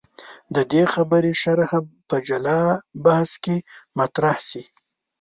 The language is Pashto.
د دې خبرې شرحه په جلا بحث کې مطرح شي.